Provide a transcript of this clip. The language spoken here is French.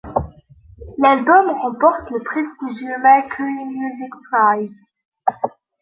L'album remporte le prestigieux Mercury Music Prize.